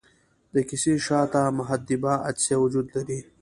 د کسي شاته محدبه عدسیه وجود لري.